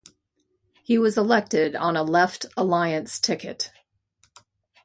He was elected on a Left Alliance ticket.